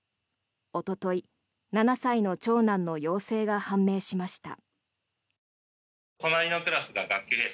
おととい、７歳の長男の陽性が判明しました。